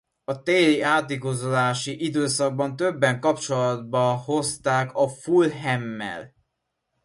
A téli átigazolási időszakban többen kapcsolatba hozták a Fulhammel.